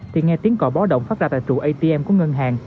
thì nghe tiếng cọ bó động phát ra tại trụ atm của ngân hàng